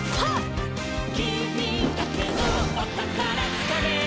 「きみだけのおたからつかめ！」